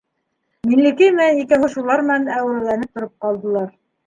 Миңлекәй менән икәүһе шулар менән әүерәләнеп тороп ҡалдылар.